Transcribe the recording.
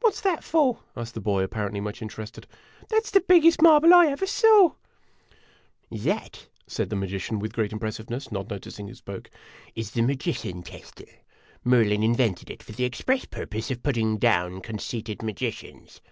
"What 's that for?" asked the boy, apparently much interested. " That 's the biggest marble I ever saw !" o _> "That," said the magician with great impressiveness, not noti cing who spoke, " is the magician tester. Merlin invented it for the express purpose of putting down conceited magicians.